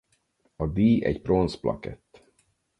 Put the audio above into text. A díj egy bronz plakett.